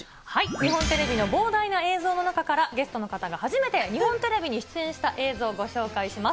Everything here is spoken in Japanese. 日本テレビの膨大な映像の中から、ゲストの方が初めて日本テレビに出演した映像をご紹介します。